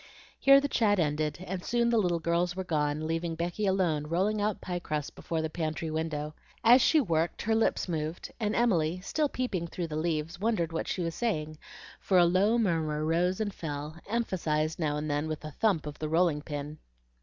Here the chat ended, and soon the little girls were gone, leaving Becky alone rolling out pie crust before the pantry window. As she worked her lips moved, and Emily, still peeping through the leaves, wondered what she was saying, for a low murmur rose and fell, emphasized now and then with a thump of the rolling pin.